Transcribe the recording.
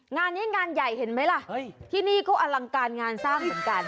งานนี้งานใหญ่เห็นไหมล่ะที่นี่ก็อลังการงานสร้างเหมือนกัน